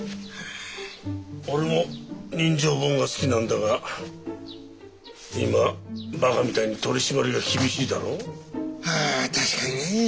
俺も人情本が好きなんだが今ばかみたいに取締りが厳しいだろ？は確かにね。